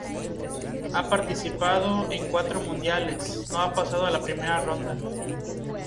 Ha participado en cuatro mundiales, no ha pasado la primera ronda.